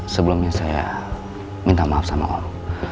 sebelumnya saya minta maaf sama allah